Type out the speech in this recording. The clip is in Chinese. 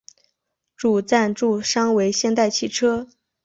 主赞助商为现代汽车。